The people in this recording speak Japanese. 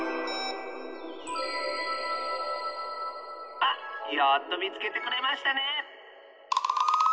あっやっとみつけてくれましたね！